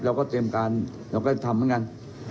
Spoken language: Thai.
เราก็เตรียมการเราก็ทำเหมือนกัน